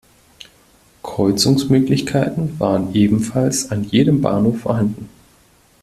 Kreuzungsmöglichkeiten waren ebenfalls an jedem Bahnhof vorhanden.